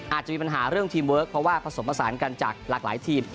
อาจจะมีปัญหาเรื่องทีมเวิร์คเพราะว่าผสมผสานกันจากหลากหลายทีม